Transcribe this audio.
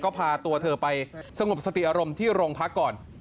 ก็พาตัวเธอไปสงบสติอารมณ์ที่โรงพักก่อน